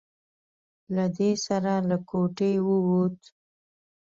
له دې سره له کوټې ووت.